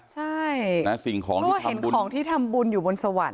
ใช่นะสิ่งของดีก็เห็นของที่ทำบุญอยู่บนสวรรค